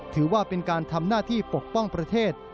ถือว่าเป็นการทำหน้าที่ปกป้องประเทศ